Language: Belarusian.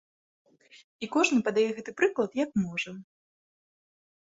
І кожны падае гэты прыклад, як можа.